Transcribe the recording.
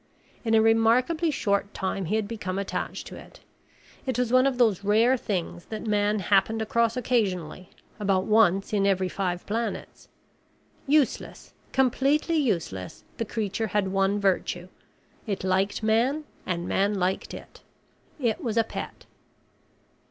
In a remarkably short time, he had become attached to it. It was one of those rare things that Man happened across occasionally about once in every five planets. Useless, completely useless, the creature had one virtue. It liked Man and Man liked it. It was a pet.